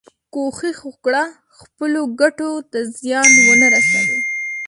کوښښ وکړه خپلو ګټو ته زیان ونه رسوې.